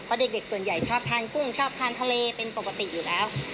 เพราะเด็กส่วนใหญ่ชอบทานกุ้งชอบทานทะเลเป็นปกติอยู่แล้ว